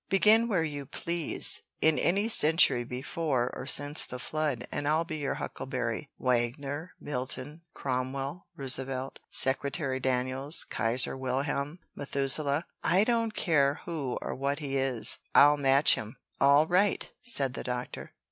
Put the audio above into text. Begin where you please in any century before or since the flood, and I'll be your huckleberry Wagner, Milton, Cromwell, Roosevelt, Secretary Daniels, Kaiser Wilhelm, Methuselah I don't care who or what he is I'll match him." "All right," said the Doctor.